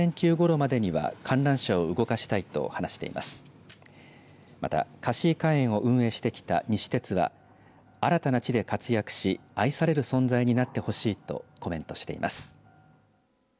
また、かしいかえんを運営してきた西鉄は新たな地で活躍し愛される存在になってほしいとコメントしています。